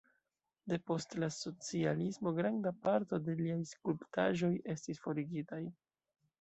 Depost la socialismo granda parto de liaj skulptaĵoj estis forigitaj.